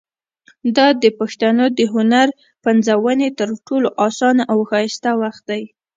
دا د پښتنو د هنر پنځونې تر ټولو اسانه او ښایسته وخت دی.